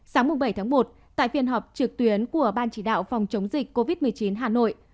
sáng bảy một tại phiên họp trực tuyến của ban chỉ đạo phòng chống dịch covid một mươi chín hà nội